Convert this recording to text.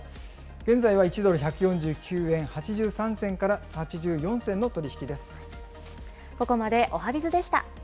現在は１ドル１４９円８３銭から８４銭の取り引きです。